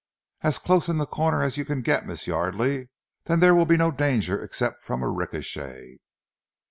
"As close in the corner as you can get, Miss Yardely; then there will be no danger except from a ricochet."